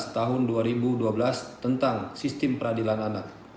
tahun dua ribu dua belas tentang sistem peradilan anak